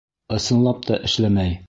Ысынлап та эшләмәй.